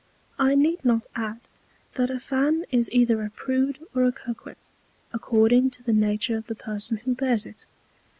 I need not add, that a Fan is either a Prude or Coquet according to the Nature of the Person who bears it.